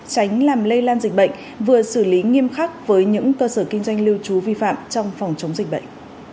tránh làm lây lan dịch bệnh vừa xử lý nghiêm khắc với những cơ sở kinh doanh lưu trú vi phạm trong phòng chống dịch bệnh